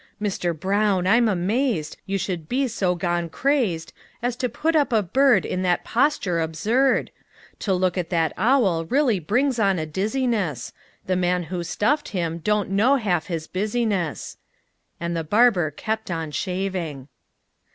Mister Brown, I'm amazed You should be so gone crazed As to put up a bird In that posture absurd! To look at that owl really brings on a dizziness; The man who stuffed him don't half know his business!" And the barber kept on shaving.